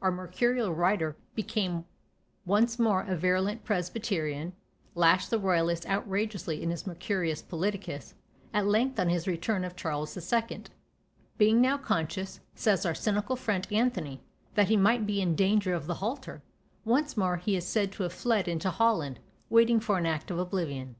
Our Mercurial writer became once more a virulent Presbyterian, and lashed the royalists outrageously in his "Mercurius Politicus;" at length on the return of Charles II. being now conscious, says our cynical friend Anthony, that he might be in danger of the halter, once more he is said to have fled into Holland, waiting for an act of oblivion.